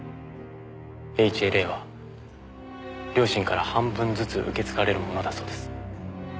ＨＬＡは両親から半分ずつ受け継がれるものだそうです。